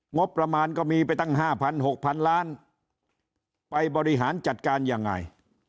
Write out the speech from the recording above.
งบประมาณก็มีไปตั้ง๕๐๐๖๐๐๐ล้านไปบริหารจัดการยังไง